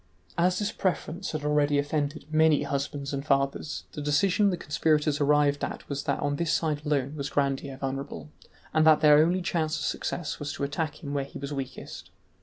As this preference had already offended many husbands and fathers, the decision the conspirators arrived at was that on this side alone was Grandier vulnerable, and that their only chance of success was to attack him where he was weakest.